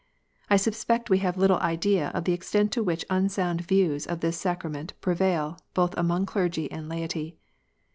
I suspect we have little idea of the extent to which unsound views of this sacrament prevail, both among clergy and laity.